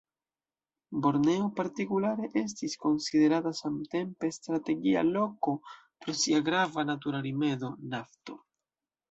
Borneo partikulare estis konsiderata samtempe strategia loko pro sia grava natura rimedo; nafto.